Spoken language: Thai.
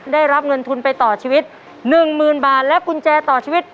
ได้รับเงินทุนไปต่อชีวิต๑๐๐๐บาทและกุญแจต่อชีวิต